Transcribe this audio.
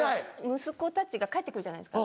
息子たちが帰って来るじゃないですか。